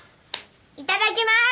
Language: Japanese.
いただきます。